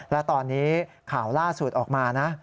และตอนนี้ข่าวล่าสุดออกมานะ